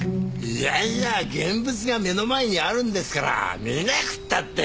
いやいや現物が目の前にあるんですから見なくったって。